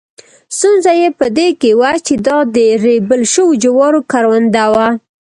ستونزه یې په دې کې وه چې دا د ریبل شوو جوارو کرونده وه.